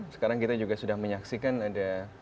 sekarang kita juga sudah menyaksikan ada